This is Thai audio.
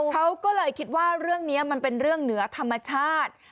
เขาก็เลยคิดว่าเรื่องนี้มันเป็นเรื่องเหนือธรรมชาติ